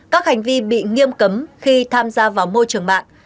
các hành vi bị nghiêm cấm khi tham gia vào môi trường mạng